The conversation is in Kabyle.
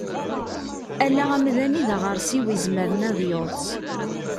Ala amdan i daɣersiw izemren ad yeḍs.